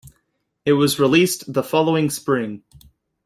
It was released the following spring.